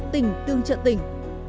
tình tương trợ tình